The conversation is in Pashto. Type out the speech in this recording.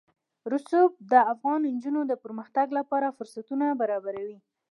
رسوب د افغان نجونو د پرمختګ لپاره فرصتونه برابروي.